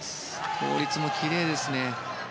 倒立もきれいですね。